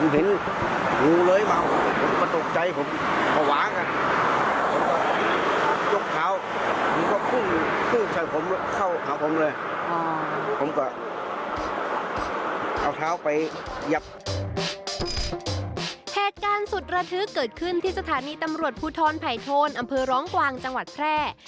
เหตุการณ์สุดระทึกเกิดขึ้นที่สถานีตำรวจภูทรไผ่โทนอำเภอร้องกวางจังหวัดแพร่